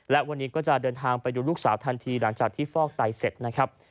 และวันนี้ก็จะเดินทางไปดูลูกสาวทันทีหลังจากที่ฟอกไตเสร็จนะครับ